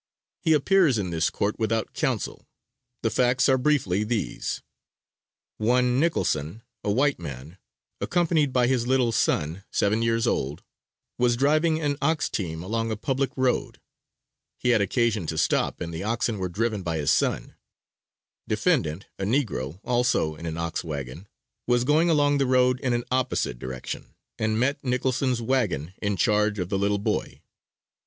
He appears in this court without counsel. The facts are briefly these: One, Nicholson, a white man, accompanied by his little son seven years old, was driving an ox team along a public road; he had occasion to stop and the oxen were driven by his son; defendant, a negro, also in an ox wagon, was going along the road in an opposite direction, and met Nicholson's wagon in charge of the little boy.